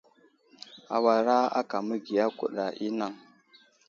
Awara aka məgiya kuɗa i anaŋ.